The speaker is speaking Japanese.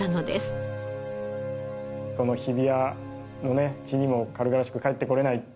この日比谷の地にも軽々しく帰ってこられない